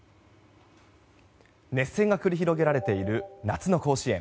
熱戦が繰り広げられている夏の甲子園。